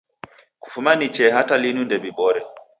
Kufuma ni chee hata linu nde wibore